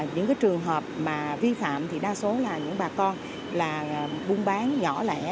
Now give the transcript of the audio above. các trường hợp mà vi phạm thì đa số là những bà con là buôn bán nhỏ lẻ